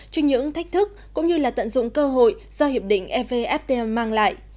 trên những thách thức cũng như là tận dụng cơ hội do hiệp định evfta mang lại